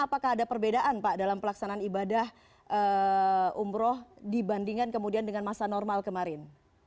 apakah ada perbedaan pak dalam pelaksanaan ibadah umroh dibandingkan kemudian dengan masa normal kemarin